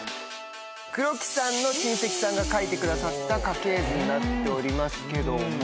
黒木さんの親戚さんが描いてくださった家系図になっておりますけども。